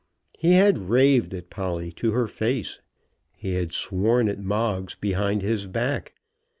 He had raved at Polly to her face. He had sworn at Moggs behind his back.